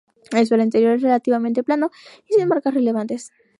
El suelo interior es relativamente plano y sin marcas relevantes.